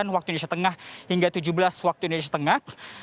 waktu indonesia tengah hingga tujuh belas waktu indonesia tengah